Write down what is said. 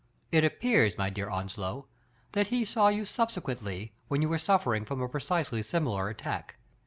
It appears, my dear Onslow, that he saw you subsequently, when you were suffering from a precisely similar attack.